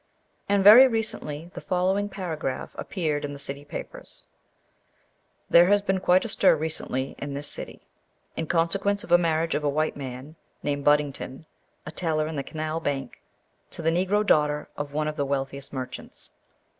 And, very recently, the following paragraph appeared in the city papers: "'There has been quite a stir recently in this city, in consequence of a marriage of a white man, named Buddington, a teller in the Canal Bank, to the Negro daughter of one of the wealthiest merchants.